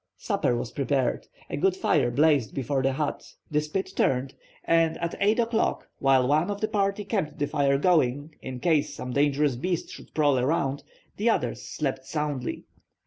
Supper was prepared, a good fire blazed before the hut, the spit turned, and at 8 o'clock, while one of the party kept the fire going, in case some dangerous beast should prowl around, the others slept soundly.